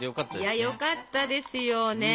いやよかったですよね。